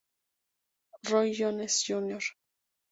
Roy Jones, Jr.